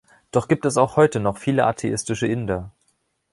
Doch gibt es auch heute noch viele atheistische Inder.